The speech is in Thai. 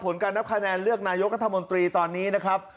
การนับคะแนนเลือกนายกรัฐมนตรีตอนนี้นะครับ